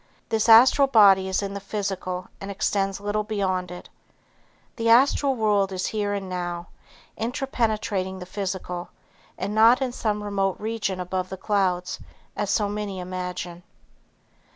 This Astral body is in the physical and extends little beyond it. The Astral world is here and now, interpenetrating the physical, and not in some remote region above the clouds as so many imagine.